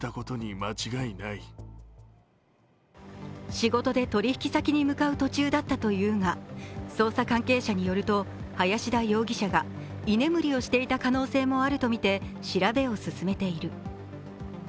仕事で取引先に向かう途中だったというが、捜査関係者によると、林田容疑者が居眠りをしていた可能性もあるとみて、調べを進めている。